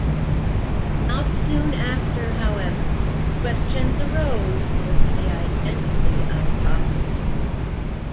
Not soon after, however, questions arose over the identity of Taher.